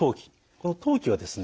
この当帰はですね